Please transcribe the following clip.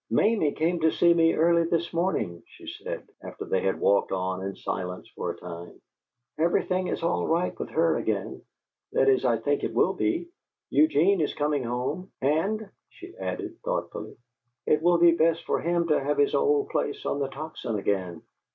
"Mamie came to see me early this morning," she said, after they had walked on in silence for a time. "Everything is all right with her again; that is, I think it will be. Eugene is coming home. And," she added, thoughtfully, "it will be best for him to have his old place on the Tocsin again.